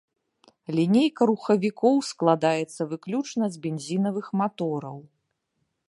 Лінейка рухавікоў складаецца выключна з бензінавых матораў.